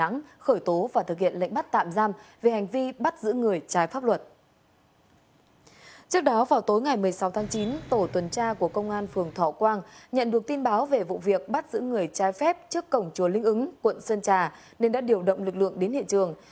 trước đó vào tối ngày một mươi sáu tháng chín tổ tuần tra của công an phường thọ quang nhận được tin báo về vụ việc bắt giữ người trái phép trước cổng chùa linh ứng quận sơn trà nên đã điều động lực lượng đến hiện trường